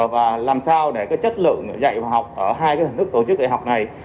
và làm sao để cái chất lượng dạy và học ở hai cái hình thức tổ chức dạy học này